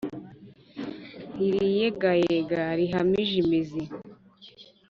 Ntiriyegayega rihamije imizi.